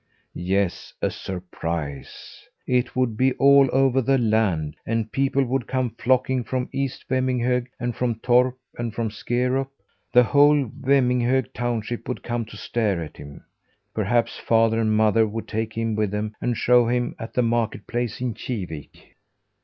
Yes, a surprise it would be all over the land; and people would come flocking from East Vemminghög, and from Torp, and from Skerup. The whole Vemminghög township would come to stare at him. Perhaps father and mother would take him with them, and show him at the market place in Kivik.